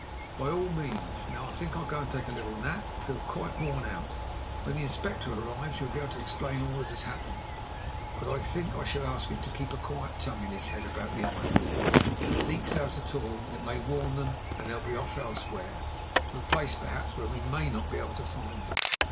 "By all means. Now I think I'll go and take a little nap; I feel quite worn out. When the Inspector arrives you will be able to explain all that has happened; but I think I should ask him to keep a quiet tongue in his head about the island. If it leaks out at all, it may warn them, and they'll be off elsewhere to a place perhaps where we may not be able to find them."